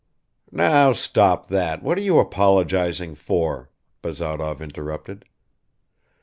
." "Now stop that, what are you apologizing for?" Bazarov interrupted.